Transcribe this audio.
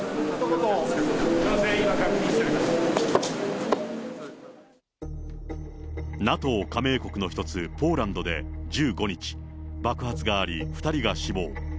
すみません、ＮＡＴＯ加盟国の一つ、ポーランドで１５日、爆発があり、２人が死亡。